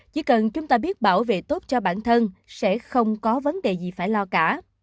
chỉ cần chúng ta biết bảo vệ tốt cho bản thân sẽ không có vấn đề gì phải lo cả